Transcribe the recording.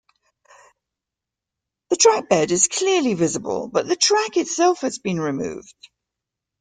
The trackbed is still clearly visible, but the track itself has been removed.